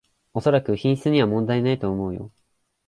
おそらく品質には問題ないと思うよ